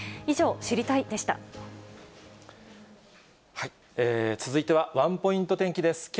以上、続いては、ワンポイント天気です。